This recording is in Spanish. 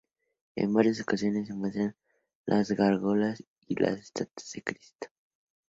En varias ocasiones, se muestran las gárgolas y las estatuas de Cristo.